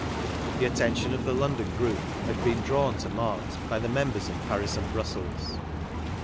The attention of the London gjoi^p had been drawn to Marx by the members in Parl^teiid Brussels.